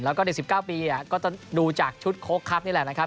แล้วก็เด็ก๑๙ปีก็จะดูจากชุดโค้กครับนี่แหละนะครับ